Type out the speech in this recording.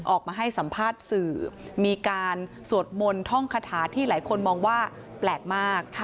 ออกมาให้สัมภาษณ์สื่อมีการสวดมนต์ท่องคาถาที่หลายคนมองว่าแปลกมาก